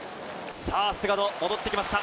さあ、菅野、戻ってきました。